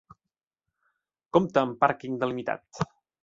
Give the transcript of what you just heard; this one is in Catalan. Compta amb pàrquing delimitat.